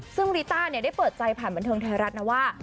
ซึ่งริต้าได้เปิดใจผ่านบันเทิงไทยรัฐนะว่า